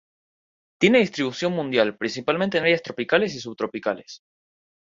Tiene distribución mundial, principalmente en áreas tropicales y subtropicales.